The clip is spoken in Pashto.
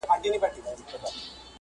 لاسونه لپه او دعاوي ورته وکړی